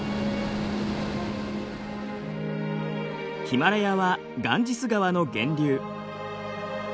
ヒマラヤはガンジス川の源流。